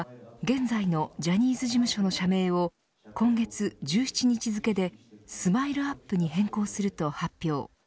東山紀之社長は現在のジャニーズ事務所の社名を今月１７日付でＳＭＩＬＥ‐ＵＰ．に変更すると発表。